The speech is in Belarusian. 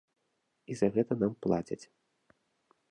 І за гэта нам плацяць.